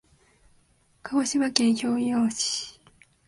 鹿児島県姶良市